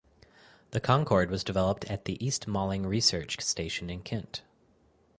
The Concorde was developed at the East Malling Research Station in Kent.